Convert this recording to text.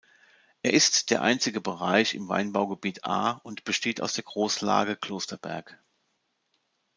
Er ist der einzige Bereich im Weinbaugebiet Ahr und besteht aus der Großlage Klosterberg.